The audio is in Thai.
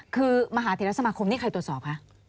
คือมหาเทรสมาคมนี่ใครตรวจสอบคะ